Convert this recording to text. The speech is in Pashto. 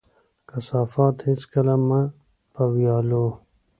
کثافات هيڅکله مه په ويالو،